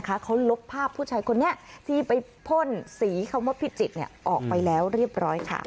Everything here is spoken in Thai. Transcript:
เขาลบภาพผู้ชายคนนี้ที่ไปพ่นสีคำว่าพิจิตรออกไปแล้วเรียบร้อยค่ะ